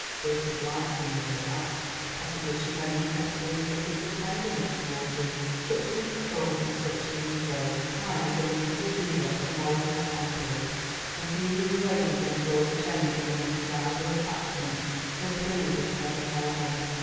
Beatrice liked him, no doubt; possibly she had even experienced a fit of tenderness towards him. Such things come and such things go. Time is a wonderful healer of moral distempers, and few young ladies endure the chains of an undesirable attachment for a period of seven whole months.